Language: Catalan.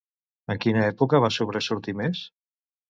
En quina època va sobresortir més?